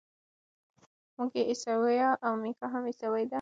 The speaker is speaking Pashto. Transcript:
مور یې عیسویه ده او میکا هم عیسوی دی.